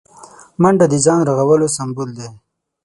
منډه د ځان رغولو سمبول دی